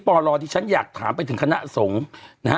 ตอนรอที่ฉันอยากถามไปถึงคณะสงศ์